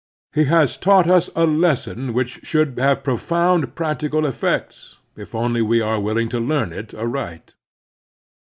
He has also taught us a lesson which should have profound practical effects, if only we are willing to leam it aright.